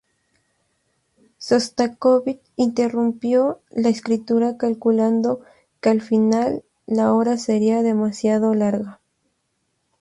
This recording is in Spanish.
Shostakóvich interrumpió la escritura, calculando que al final la obra sería demasiado larga.